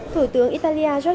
thủ tướng italia giorgio